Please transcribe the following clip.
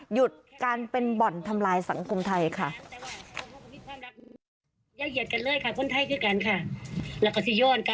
หยุดการเป็นบ่อนทำลายสังคมไทยค่ะ